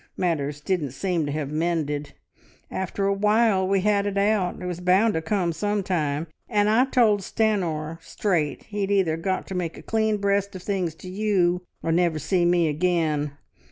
matters didn't seem to have mended. After a while we had it out it was bound to come some time and I told Stanor straight he'd either got to make a clean breast of things to you or never see me again.